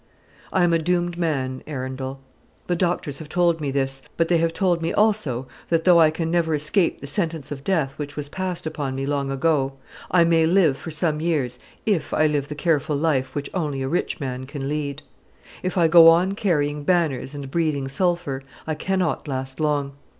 "I am a doomed man, Arundel! The doctors have told me this; but they have told me also that, though I can never escape the sentence of death which was passed upon me long ago, I may live for some years if I live the careful life which only a rich man can lead. If I go on carrying banners and breathing sulphur, I cannot last long.